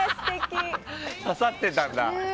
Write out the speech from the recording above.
刺さってたんだ。